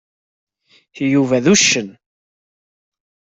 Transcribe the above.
Yuba d uccen.